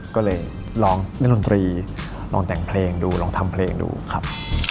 ก็เลยร้องในร้อนตรีร้องแต่งเพลงดูร้องทำเพลงดูครับ